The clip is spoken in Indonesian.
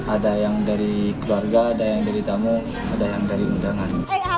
ada yang dari keluarga ada yang dari tamu ada yang dari undangan